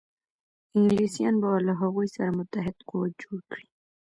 انګلیسیان به له هغوی سره متحد قوت جوړ کړي.